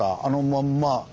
あのまんま